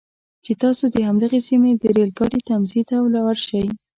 چې تاسو د همدغې سیمې د ریل ګاډي تمځي ته ورشئ.